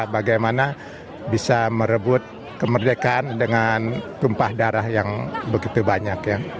bagaimana bisa merebut kemerdekaan dengan tumpah darah yang begitu banyak ya